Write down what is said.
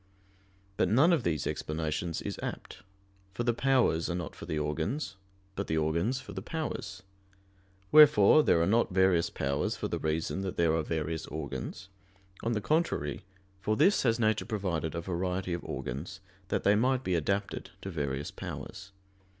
But none of these explanations is apt. For the powers are not for the organs, but the organs for the powers; wherefore there are not various powers for the reason that there are various organs; on the contrary, for this has nature provided a variety of organs, that they might be adapted to various powers.